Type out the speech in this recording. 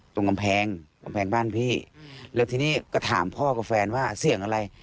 ตรงกำแพงกำแพงบ้านพี่แล้วทีนี้ก็ถามพ่อกับแฟนว่าเสี่ยงอะไร